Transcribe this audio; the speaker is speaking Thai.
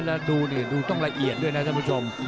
แล้วดูนี่ดูต้องละเอียดด้วยนะท่านผู้ชม